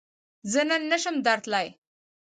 زۀ نن نشم درتلای